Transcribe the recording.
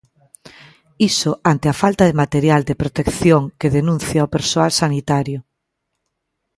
Iso ante a falta de material de protección que denuncia o persoal sanitario.